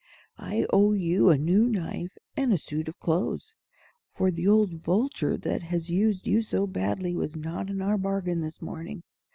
I owe you a new knife and a suit of clothes; for the old vulture that has used you so badly was not in our bargain this morning.